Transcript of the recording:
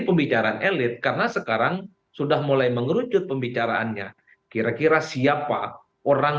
pembicaraan elit karena sekarang sudah mulai mengerucut pembicaraannya kira kira siapa orang